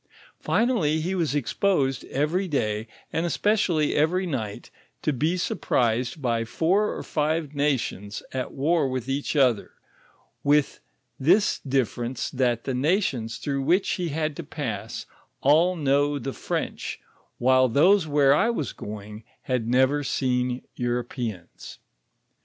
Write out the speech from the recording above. Finally he wos exposed every doy, and especially every night, to be surprised by four or five nations at war with each other, with this difference that the notions through which he had to pass all know tho French, while those where I was going had never seen Europeans.